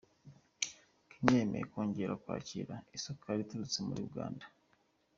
Kenya yemeye kongera kwakira isukari iturutse muri Uganda.